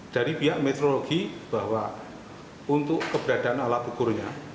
dari pihak meteorologi bahwa untuk keberadaan alat ukurnya